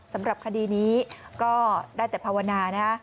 สำหรับคดีนี้ก็ได้แต่ภาวนานะฮะ